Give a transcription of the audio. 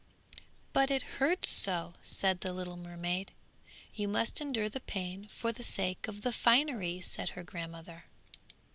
'But it hurts so!' said the little mermaid. 'You must endure the pain for the sake of the finery!' said her grandmother.